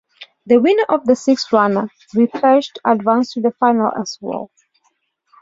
The winner of the six-runner repechage advanced to the final as well.